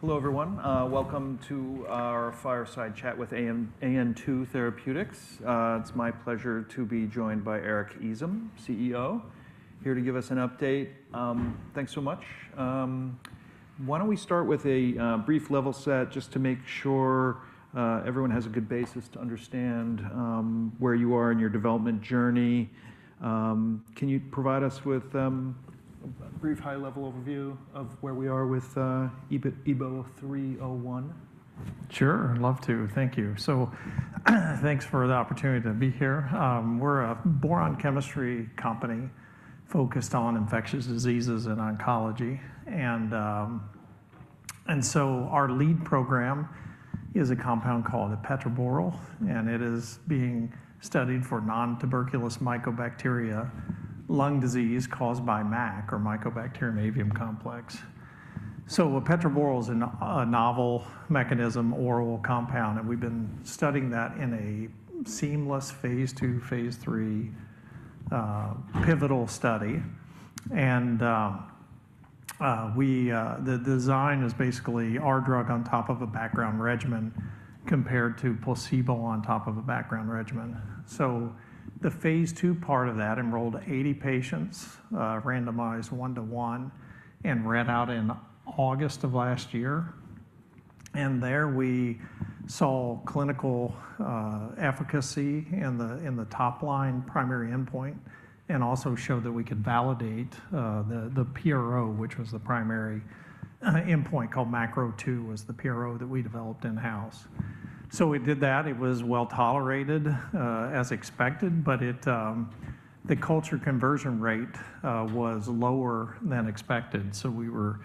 Hello, everyone. Welcome to our fireside chat with AN2 Therapeutics. It's my pleasure to be joined by Eric Easom, CEO, here to give us an update. Thanks so much. Why don't we start with a brief level set, just to make sure everyone has a good basis to understand where you are in your development journey. Can you provide us with a brief high-level overview of where we are with EBO-301? Sure. I'd love to. Thank you. Thank you for the opportunity to be here. We're a boron chemistry company focused on infectious diseases and oncology. Our lead program is a compound called epetraborole, and it is being studied for nontuberculous mycobacteria lung disease caused by MAC, or Mycobacterium avium complex. Epetraborole is a novel mechanism oral compound, and we've been studying that in a seamless phase II, phase III pivotal study. The design is basically our drug on top of a background regimen compared to placebo on top of a background regimen. The phase II part of that enrolled 80 patients, randomized 1:1, and read out in August of last year. There we saw clinical efficacy in the top line primary endpoint and also showed that we could validate the PRO, which was the primary endpoint called MACrO2, was the PRO that we developed in-house. We did that. It was well tolerated, as expected, but the culture conversion rate was lower than expected. We were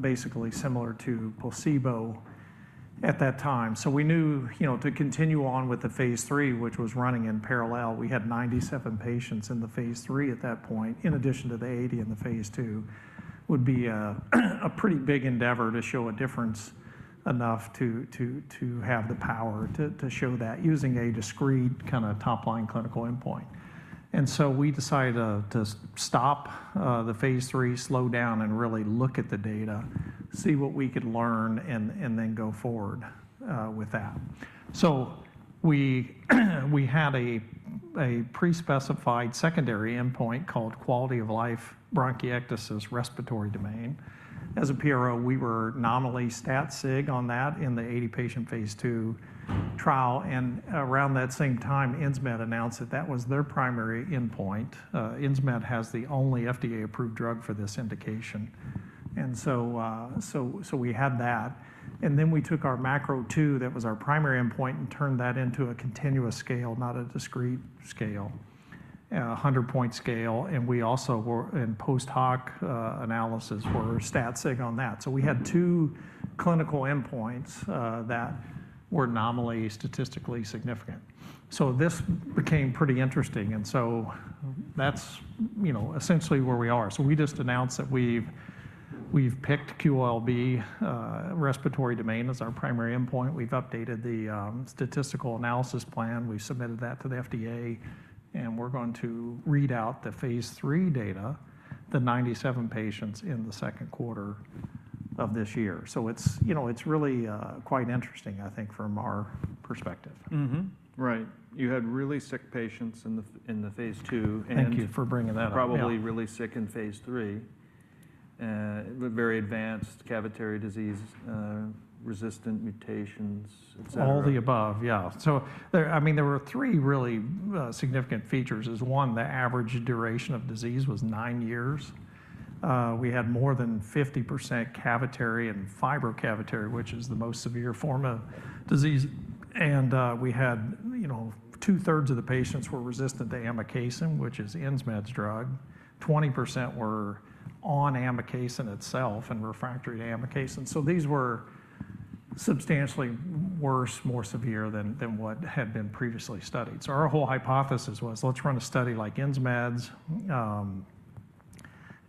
basically similar to placebo at that time. We knew to continue on with the phase III, which was running in parallel, we had 97 patients in the phase III at that point, in addition to the 80 in the phase II, would be a pretty big endeavor to show a difference enough to have the power to show that using a discrete kind of top line clinical endpoint. We decided to stop the phase III, slow down, and really look at the data, see what we could learn, and then go forward with that. We had a pre-specified secondary endpoint called quality of life, bronchiectasis, respiratory demand. As a PRO, we were nominally stat-sig on that in the 80-patient phase II trial. Around that same time, Insmed announced that that was their primary endpoint. Insmed has the only FDA-approved drug for this indication. We had that. We took our MACrO2, that was our primary endpoint, and turned that into a continuous scale, not a discrete scale, a 100-point scale. We also were in post-hoc analysis for stat-sig on that. We had two clinical endpoints that were nominally statistically significant. This became pretty interesting. That is essentially where we are. We just announced that we've picked QOL-B, respiratory demand as our primary endpoint. We've updated the statistical analysis plan. We submitted that to the FDA. We're going to read out the phase III data, the 97 patients in the second quarter of this year. It's really quite interesting, I think, from our perspective. Right. You had really sick patients in the phase II. Thank you for bringing that up. Probably really sick in phase III, very advanced cavitary disease, resistant mutations, et cetera. All the above, yeah. I mean, there were three really significant features. One, the average duration of disease was nine years. We had more than 50% cavitary and fibrocavitary, which is the most severe form of disease. We had 2/3 of the patients were resistant to amikacin, which is Insmed's drug. 20% were on amikacin itself and refractory to amikacin. These were substantially worse, more severe than what had been previously studied. Our whole hypothesis was, let's run a study like Insmed's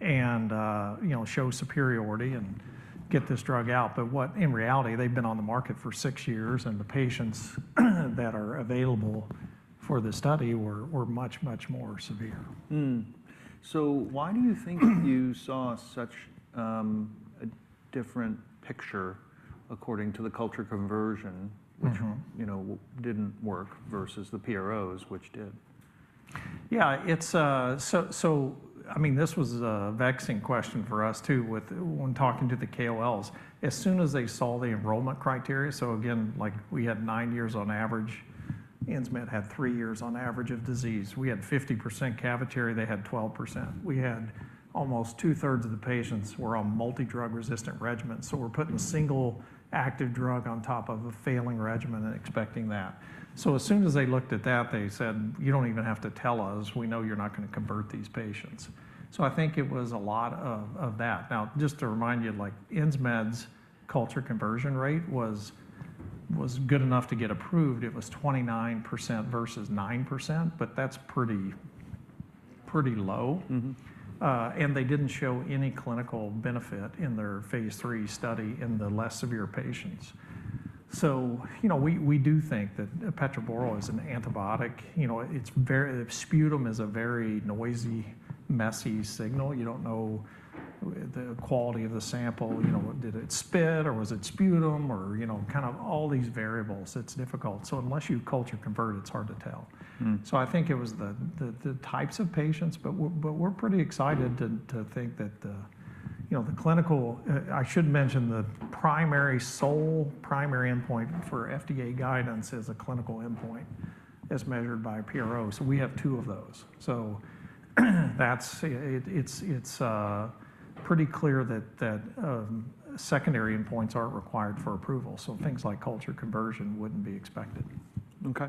and show superiority and get this drug out. In reality, they've been on the market for six years, and the patients that are available for the study were much, much more severe. Why do you think you saw such a different picture according to the culture conversion, which did not work versus the PROs, which did? Yeah. I mean, this was a vexing question for us, too, when talking to the KOLs. As soon as they saw the enrollment criteria, again, we had nine years on average. Insmed had three years on average of disease. We had 50% cavitary. They had 12%. We had almost 2/3 of the patients were on multi-drug resistant regimen. We are putting a single active drug on top of a failing regimen and expecting that. As soon as they looked at that, they said, you do not even have to tell us. We know you are not going to convert these patients. I think it was a lot of that. Now, just to remind you, Insmed's culture conversion rate was good enough to get approved. It was 29% versus 9%, but that is pretty low. They didn't show any clinical benefit in their phase III study in the less severe patients. We do think that epetraborole is an antibiotic. Sputum is a very noisy, messy signal. You don't know the quality of the sample. Did it spit or was it sputum or kind of all these variables? It's difficult. Unless you culture convert, it's hard to tell. I think it was the types of patients, but we're pretty excited to think that the clinical, I should mention the sole primary endpoint for FDA guidance is a clinical endpoint as measured by PRO. We have two of those. It's pretty clear that secondary endpoints aren't required for approval. Things like culture conversion wouldn't be expected. OK.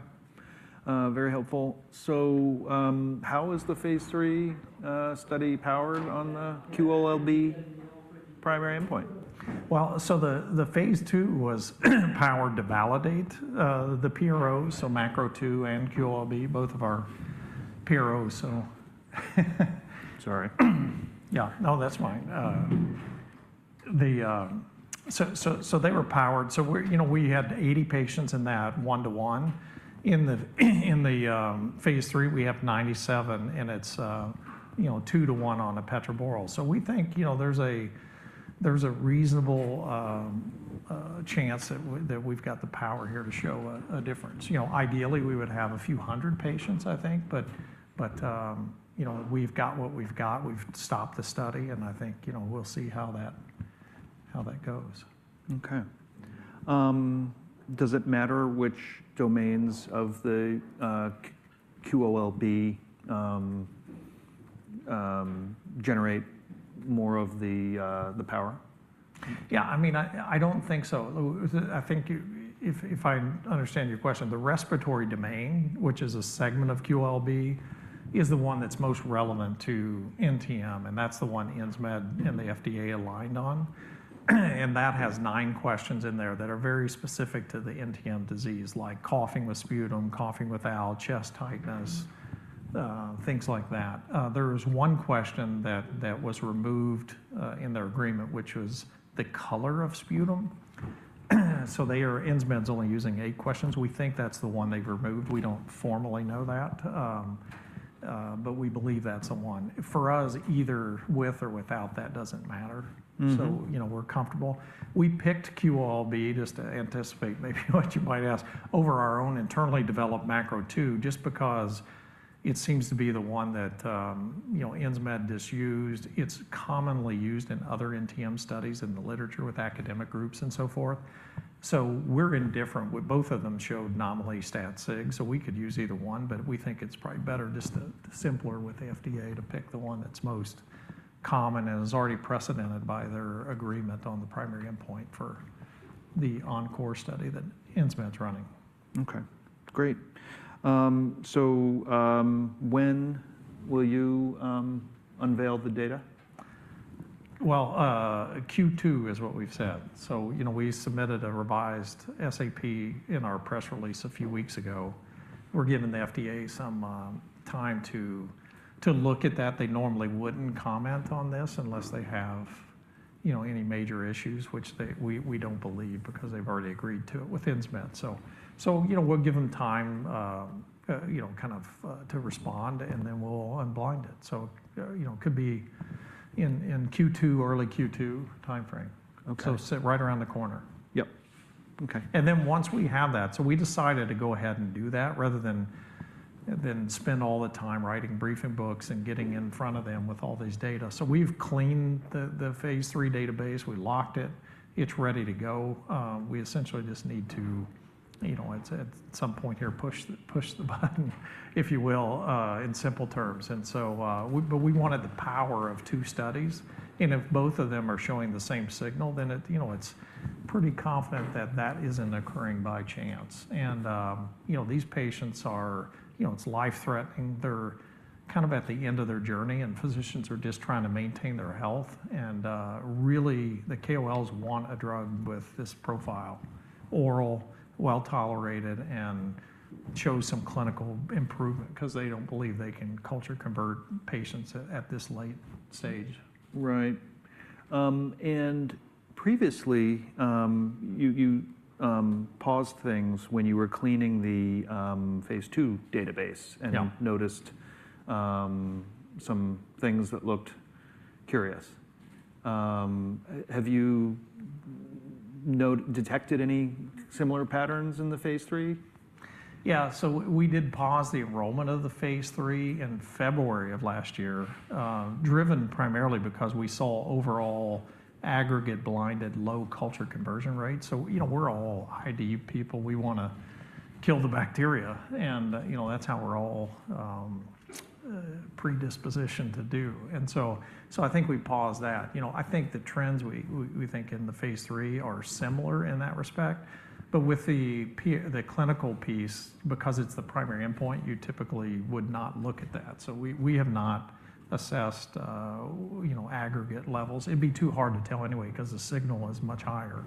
Very helpful. How is the phase III study powered on the QOL-B primary endpoint? The phase II was powered to validate the PROs, so MACrO2 and QOL-B, both of our PROs. Sorry. Yeah. No, that's fine. They were powered. We had 80 patients in that 1:1. In the phase III, we have 97, and it's 2:1 on epetraborole. We think there's a reasonable chance that we've got the power here to show a difference. Ideally, we would have a few hundred patients, I think, but we've got what we've got. We've stopped the study, and I think we'll see how that goes. OK. Does it matter which domains of the QOL-B generate more of the power? Yeah. I mean, I don't think so. I think if I understand your question, the respiratory domain, which is a segment of QOL-B, is the one that's most relevant to NTM, and that's the one Insmed and the FDA aligned on. That has nine questions in there that are very specific to the NTM disease, like coughing with sputum, coughing without, chest tightness, things like that. There was one question that was removed in their agreement, which was the color of sputum. Insmed's only using eight questions. We think that's the one they've removed. We don't formally know that, but we believe that's the one. For us, either with or without that doesn't matter. We're comfortable. We picked QOL-B just to anticipate maybe what you might ask over our own internally developed MACrO2, just because it seems to be the one that Insmed used. It's commonly used in other NTM studies in the literature with academic groups and so forth. We're indifferent. Both of them showed nominally stat-sig, so we could use either one, but we think it's probably better, just simpler with the FDA to pick the one that's most common and is already precedented by their agreement on the primary endpoint for the ENCORE study that Insmed's running. OK. Great. When will you unveil the data? Q2 is what we've said. We submitted a revised SAP in our press release a few weeks ago. We're giving the FDA some time to look at that. They normally wouldn't comment on this unless they have any major issues, which we don't believe because they've already agreed to it with Insmed. We'll give them time kind of to respond, and then we'll unblind it. It could be in Q2, early Q2 time frame. Right around the corner. Yep. OK. Once we have that, we decided to go ahead and do that rather than spend all the time writing briefing books and getting in front of them with all these data. We have cleaned the phase III database. We locked it. It is ready to go. We essentially just need to, at some point here, push the button, if you will, in simple terms. We wanted the power of two studies. If both of them are showing the same signal, then it is pretty confident that that is not occurring by chance. These patients are, it is life-threatening. They are kind of at the end of their journey, and physicians are just trying to maintain their health. Really, the KOLs want a drug with this profile, oral, well tolerated, and shows some clinical improvement because they do not believe they can culture convert patients at this late stage. Right. Previously, you paused things when you were cleaning the phase II database and noticed some things that looked curious. Have you detected any similar patterns in the phase III? Yeah. We did pause the enrollment of the phase III in February of last year, driven primarily because we saw overall aggregate blinded low culture conversion rate. We're all ID people. We want to kill the bacteria. That's how we're all predispositioned to do. I think we paused that. I think the trends we think in the phase III are similar in that respect. With the clinical piece, because it's the primary endpoint, you typically would not look at that. We have not assessed aggregate levels. It'd be too hard to tell anyway because the signal is much higher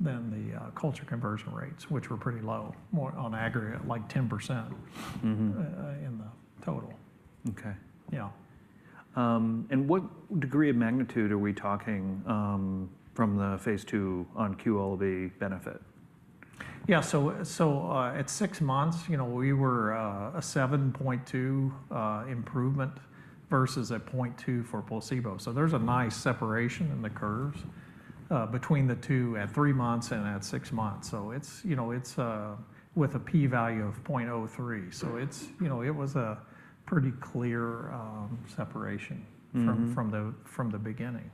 than the culture conversion rates, which were pretty low on aggregate, like 10% in the total. OK. Yeah. What degree of magnitude are we talking from the phase II on QOL-B benefit? Yeah. At six months, we were a 7.2 improvement versus a 0.2 for placebo. There is a nice separation in the curves between the two at three months and at six months. It is with a p value of 0.03. It was a pretty clear separation from the beginning.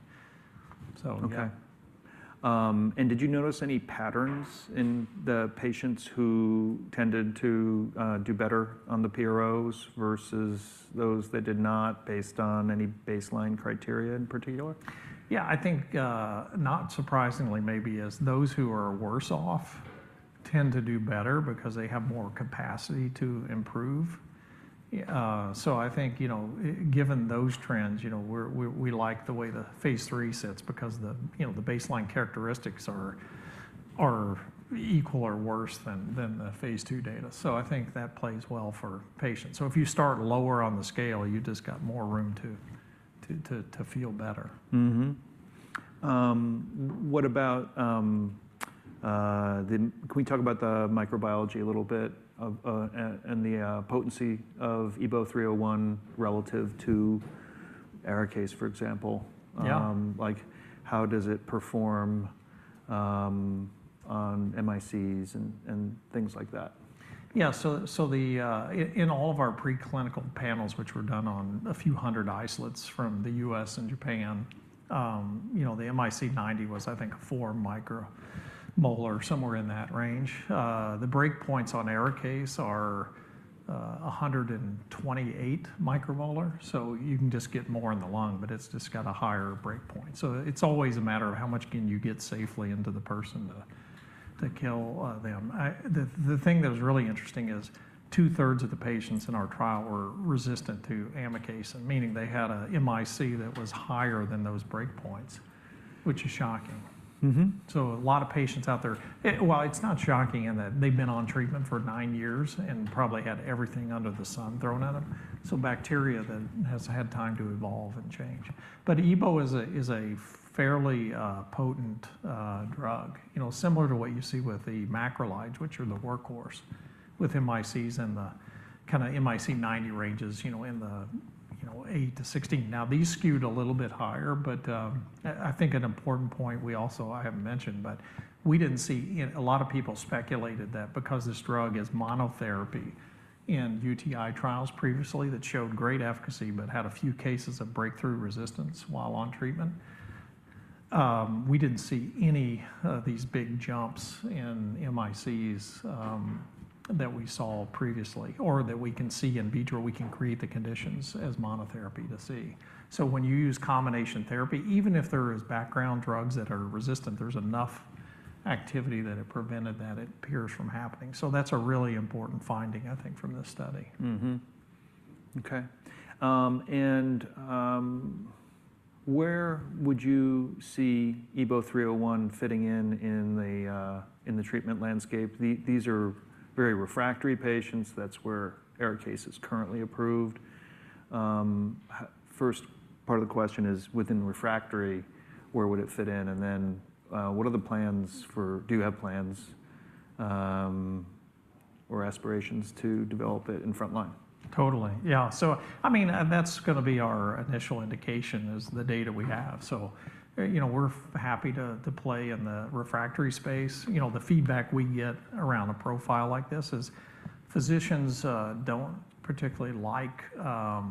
OK. Did you notice any patterns in the patients who tended to do better on the PROs versus those that did not based on any baseline criteria in particular? Yeah. I think not surprisingly, maybe, as those who are worse off tend to do better because they have more capacity to improve. I think given those trends, we like the way the phase III sits because the baseline characteristics are equal or worse than the phase II data. I think that plays well for patients. If you start lower on the scale, you just got more room to feel better. What about, can we talk about the microbiology a little bit and the potency of EBO-301 relative to ARIKAYCE, for example? How does it perform on MICs and things like that? Yeah. In all of our preclinical panels, which were done on a few hundred isolates from the U.S. and Japan, the MIC90 was, I think, 4 micromolar, somewhere in that range. The breakpoints on ARIKAYCE are 128 micromolar. You can just get more in the lung, but it's just got a higher breakpoint. It's always a matter of how much can you get safely into the person to kill them. The thing that was really interesting is two-thirds of the patients in our trial were resistant to amikacin, meaning they had an MIC that was higher than those breakpoints, which is shocking. A lot of patients out there, well, it's not shocking in that they've been on treatment for nine years and probably had everything under the sun thrown at them. Bacteria that has had time to evolve and change. EBO-301 is a fairly potent drug, similar to what you see with the macrolides, which are the workhorse with MICs in the kind of MIC90 ranges in the 8-16. These skewed a little bit higher, but I think an important point we also haven't mentioned, we didn't see a lot of people speculated that because this drug is monotherapy in UTI trials previously that showed great efficacy but had a few cases of breakthrough resistance while on treatment. We didn't see any of these big jumps in MICs that we saw previously or that we can see in vitro; we can create the conditions as monotherapy to see. When you use combination therapy, even if there are background drugs that are resistant, there's enough activity that it prevented that it appears from happening. That's a really important finding, I think, from this study. OK. Where would you see EBO-301 fitting in in the treatment landscape? These are very refractory patients. That's where ARIKAYCE is currently approved. First part of the question is, within refractory, where would it fit in? What are the plans for, do you have plans or aspirations to develop it in front line? Totally. Yeah. I mean, that's going to be our initial indication is the data we have. We're happy to play in the refractory space. The feedback we get around a profile like this is physicians don't particularly like, I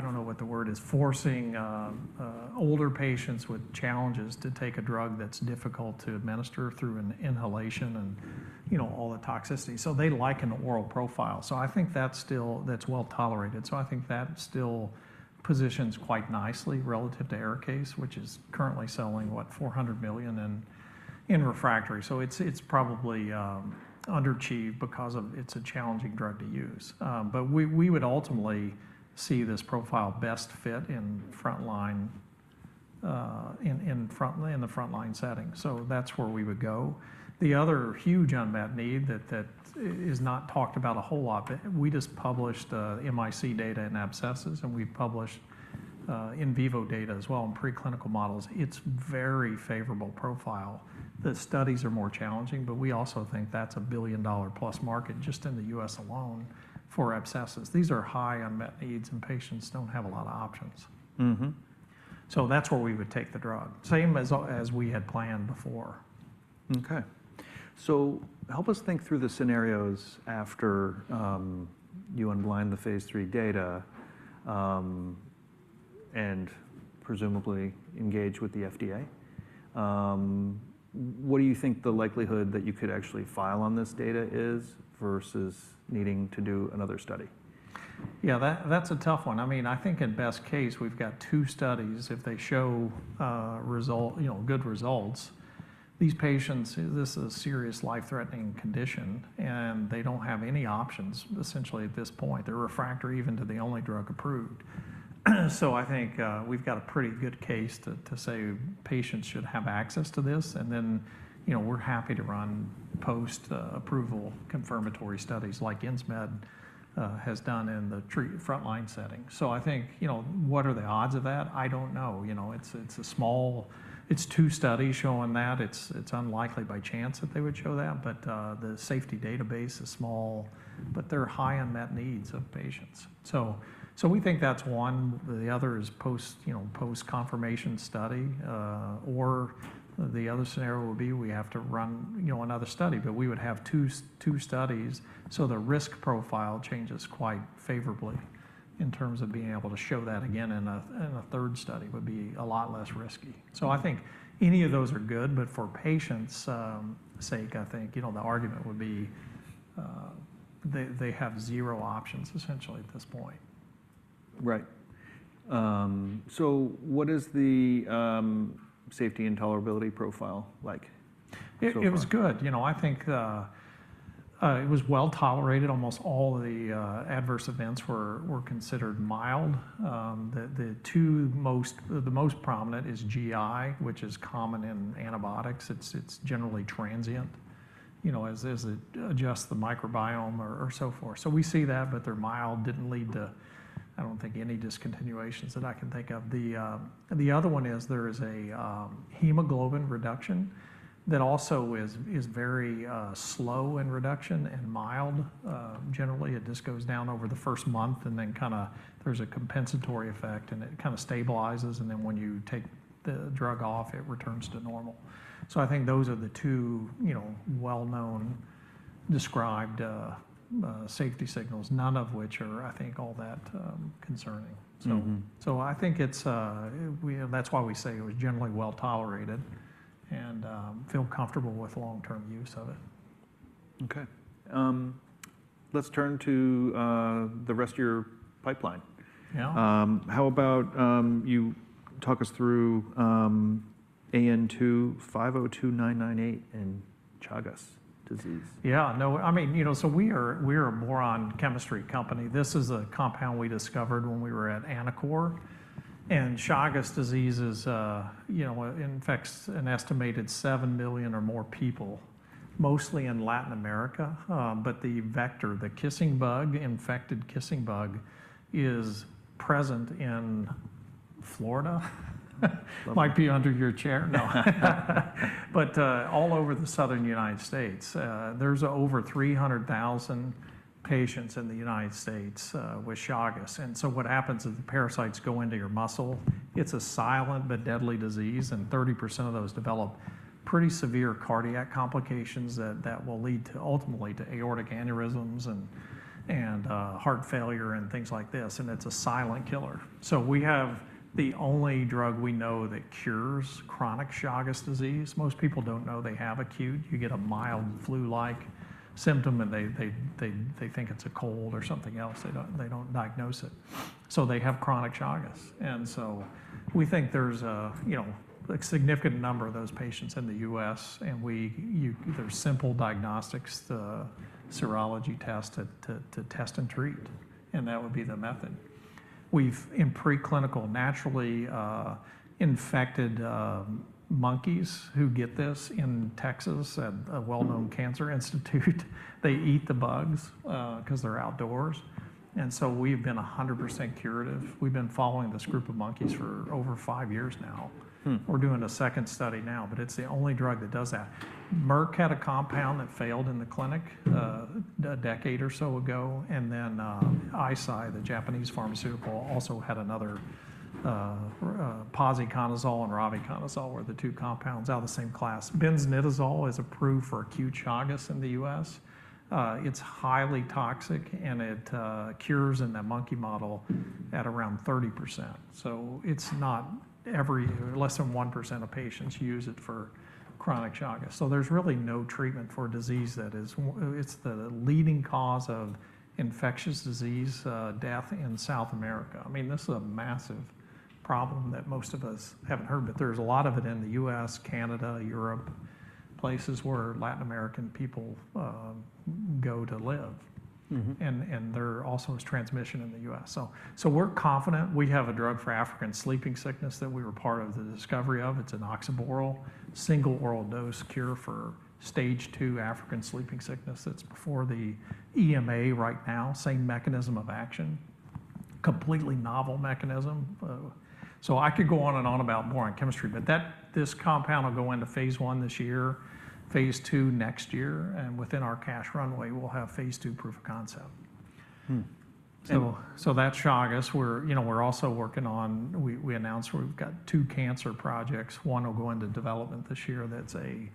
don't know what the word is, forcing older patients with challenges to take a drug that's difficult to administer through an inhalation and all the toxicity. They like an oral profile. I think that's well tolerated. I think that still positions quite nicely relative to ARIKAYCE, which is currently selling what, $400 million in refractory. It's probably underachieved because it's a challenging drug to use. We would ultimately see this profile best fit in front line, in the front line setting. That's where we would go. The other huge unmet need that is not talked about a whole lot, but we just published MIC data in abscesses, and we've published in vivo data as well in preclinical models. It's a very favorable profile. The studies are more challenging, but we also think that's a billion-dollar-plus market just in the U.S. alone for abscesses. These are high unmet needs, and patients don't have a lot of options. That is where we would take the drug, same as we had planned before. OK. Help us think through the scenarios after you unblind the phase III data and presumably engage with the FDA. What do you think the likelihood that you could actually file on this data is versus needing to do another study? Yeah. That's a tough one. I mean, I think in best case, we've got two studies. If they show good results, these patients, this is a serious life-threatening condition, and they don't have any options essentially at this point. They're refractory even to the only drug approved. I think we've got a pretty good case to say patients should have access to this. We're happy to run post-approval confirmatory studies like Insmed has done in the front line setting. I think what are the odds of that? I don't know. It's a small, it's two studies showing that. It's unlikely by chance that they would show that, but the safety database is small, but they're high unmet needs of patients. We think that's one. The other is post-confirmation study, or the other scenario would be we have to run another study, but we would have two studies. The risk profile changes quite favorably in terms of being able to show that again in a third study would be a lot less risky. I think any of those are good, but for patients' sake, I think the argument would be they have zero options essentially at this point. Right. What is the safety and tolerability profile like? It was good. I think it was well tolerated. Almost all of the adverse events were considered mild. The most prominent is GI, which is common in antibiotics. It's generally transient as it adjusts the microbiome or so forth. We see that, but they're mild, didn't lead to, I don't think, any discontinuations that I can think of. The other one is there is a hemoglobin reduction that also is very slow in reduction and mild generally. It just goes down over the first month, and then kind of there's a compensatory effect, and it kind of stabilizes. When you take the drug off, it returns to normal. I think those are the two well-known described safety signals, none of which are, I think, all that concerning. I think that's why we say it was generally well tolerated and feel comfortable with long-term use of it. OK. Let's turn to the rest of your pipeline. How about you talk us through AN2-502998 and Chagas disease? Yeah. No. I mean, we are a boron chemistry company. This is a compound we discovered when we were at Anacor. Chagas disease infects an estimated 7 million or more people, mostly in Latin America. The vector, the kissing bug, infected kissing bug is present in Florida. Might be under your chair. No. All over the southern United States, there's over 300,000 patients in the United States with Chagas. What happens is the parasites go into your muscle. It's a silent but deadly disease, and 30% of those develop pretty severe cardiac complications that will lead ultimately to aortic aneurysms and heart failure and things like this. It's a silent killer. We have the only drug we know that cures chronic Chagas disease. Most people don't know they have acute. You get a mild flu-like symptom, and they think it's a cold or something else. They don't diagnose it. They have chronic Chagas. We think there's a significant number of those patients in the U.S., and there's simple diagnostics, the serology test to test and treat, and that would be the method. We've, in preclinical, naturally infected monkeys who get this in Texas at a well-known cancer institute. They eat the bugs because they're outdoors. We've been 100% curative. We've been following this group of monkeys for over five years now. We're doing a second study now, but it's the only drug that does that. Merck had a compound that failed in the clinic a decade or so ago. Eisai, the Japanese pharmaceutical, also had another. Posaconazole and ravuconazole were the two compounds out of the same class. Benznidazole is approved for acute Chagas in the U.S. It's highly toxic, and it cures in the monkey model at around 30%. It's not, every less than 1% of patients use it for chronic Chagas. There's really no treatment for disease that is, it's the leading cause of infectious disease death in South America. I mean, this is a massive problem that most of us haven't heard, but there's a lot of it in the U.S., Canada, Europe, places where Latin American people go to live. There also is transmission in the U.S. We're confident. We have a drug for African sleeping sickness that we were part of the discovery of. It's an oxaborole, single oral dose cure for stage II African sleeping sickness that's before the EMA right now, same mechanism of action, completely novel mechanism. I could go on and on about boron chemistry, but this compound will go into phase I this year, phase II next year. Within our cash runway, we'll have phase II proof of concept. That's Chagas. We're also working on, we announced we've got two cancer projects. One will go into development this year. That's a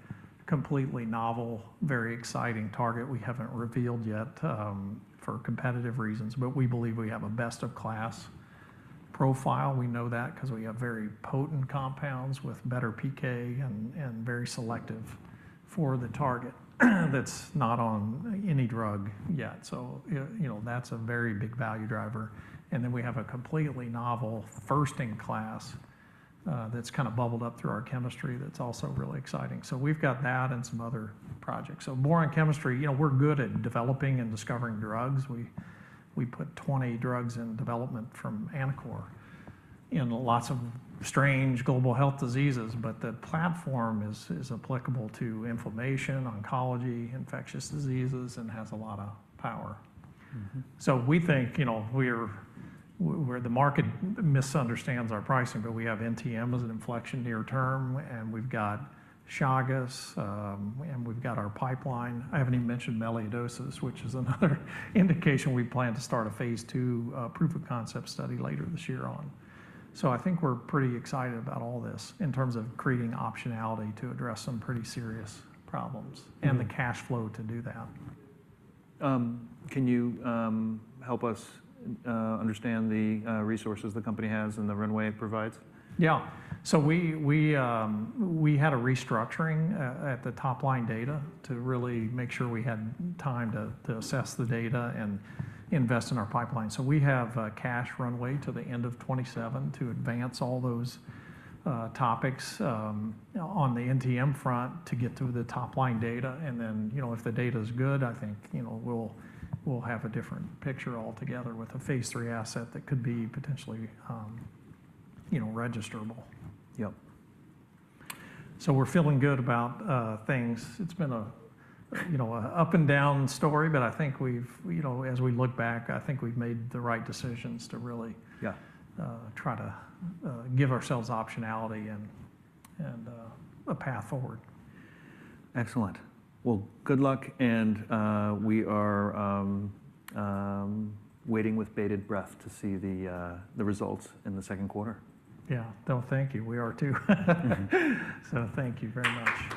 completely novel, very exciting target we haven't revealed yet for competitive reasons, but we believe we have a best of class profile. We know that because we have very potent compounds with better PK and very selective for the target that's not on any drug yet. That's a very big value driver. We have a completely novel first-in-class that's kind of bubbled up through our chemistry that's also really exciting. We've got that and some other projects. Boron chemistry, we're good at developing and discovering drugs. We put 20 drugs in development from Anacor in lots of strange global health diseases, but the platform is applicable to inflammation, oncology, infectious diseases, and has a lot of power. We think the market misunderstands our pricing, but we have NTM as an inflection near term, and we've got Chagas, and we've got our pipeline. I haven't even mentioned melioidosis, which is another indication we plan to start a phase II proof of concept study later this year on. I think we're pretty excited about all this in terms of creating optionality to address some pretty serious problems and the cash flow to do that. Can you help us understand the resources the company has and the runway it provides? Yeah. We had a restructuring at the top line data to really make sure we had time to assess the data and invest in our pipeline. We have a cash runway to the end of 2027 to advance all those topics on the NTM front to get to the top line data. If the data is good, I think we'll have a different picture altogether with a phase III asset that could be potentially registerable. Yep. We're feeling good about things. It's been an up-and-down story, but I think as we look back, I think we've made the right decisions to really try to give ourselves optionality and a path forward. Excellent. Good luck, and we are waiting with bated breath to see the results in the second quarter. Yeah. No, thank you. We are too. Thank you very much.